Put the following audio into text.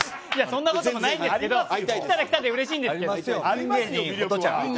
そんなこともないんですけど。来たら来たでうれしいんですけど。